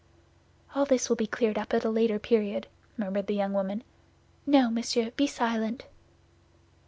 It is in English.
"All this will be cleared up at a later period," murmured the young woman; "no, monsieur, be silent."